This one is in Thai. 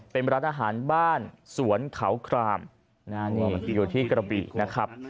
เป็นร้านอาหารบ้านสวนเขาครามอยู่ที่กระบีนะครับ